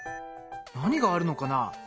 何があるのかな？